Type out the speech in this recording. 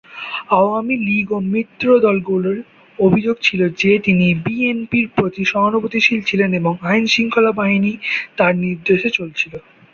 আওয়ামী লীগ ও মিত্র দলগুলোর অভিযোগ ছিল যে, তিনি বিএনপির প্রতি সহানুভূতিশীল ছিলেন এবং আইন-শৃঙ্খলা বাহিনী তার নির্দেশে চলছিল।